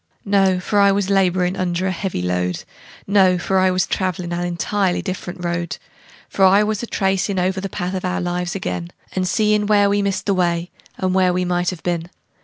No for I was laborin' under a heavy load; No for I was travelin' an entirely different road; For I was a tracin' over the path of our lives ag'in, And seein' where we missed the way, and where we might have been.